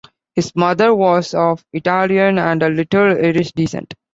His mother was of Italian, and "a little Irish", descent.